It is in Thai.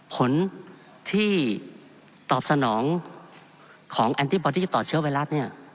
ผลที่ตอบสนองของแอนตี้บอดี้ต่อเชื้อไวรัสเนี่ย